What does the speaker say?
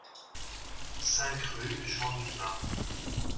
cinq rue Jean Dumas